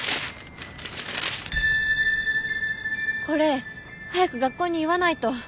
これ早く学校に言わないと。